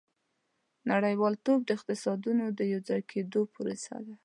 • نړیوالتوب د اقتصادونو د یوځای کېدو پروسه ده.